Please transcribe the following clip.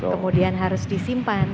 kemudian harus disimpan